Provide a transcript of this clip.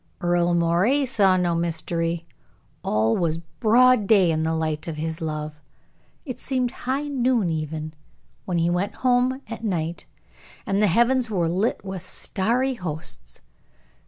Earle Moray saw no mystery; all was broad day in the light of his love. It seemed high noon even, when he went home at night, and the heavens were lit with starry hosts.